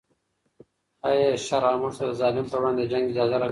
آیا شرع موږ ته د ظالم پر وړاندې د جنګ اجازه راکوي؟